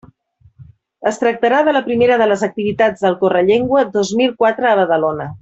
Es tractarà de la primera de les activitats del Correllengua dos mil quatre a Badalona.